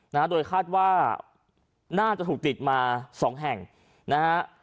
นะฮะโดยคาดว่าน่าจะถูกติดมาสองแห่งนะฮะ